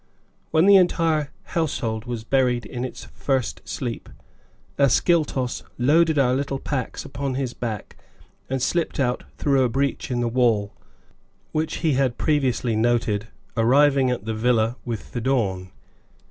When the entire household was buried in its first sleep, Ascyltos loaded our little packs upon his back and slipped out through a breach in the wall, which he had previously noted, arriving at the villa with the dawn.